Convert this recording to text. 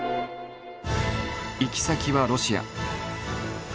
行き先はロシア。